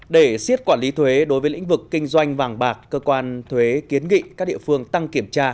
để xiết quản lý thuế đối với lĩnh vực kinh doanh vàng bạc cơ quan thuế kiến nghị các địa phương tăng kiểm tra